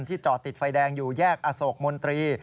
ที่จอดติดไฟดรงอยู่แยกอสกมนตรี